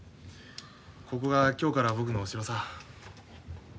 ここが今日から僕のお城さ。